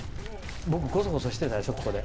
僕ゴソゴソしてたでしょ、ここで。